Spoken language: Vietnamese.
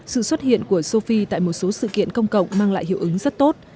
sự xuất hiện của sophie tại một số sự kiện công cộng mang lại hiệu ứng rất tốt